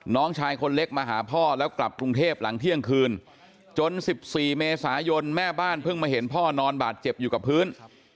น้องชายคนเล็กมาหาพ่อแล้วกลับกรุงเทพหลังเที่ยงคืนจน๑๔เมษายนแม่บ้านเพิ่งมาเห็นพ่อนอนบาดเจ็บอยู่กับพื้น